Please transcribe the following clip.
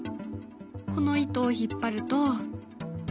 この糸を引っ張ると。